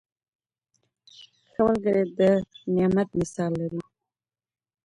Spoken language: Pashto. ښه ملګری د نعمت مثال لري.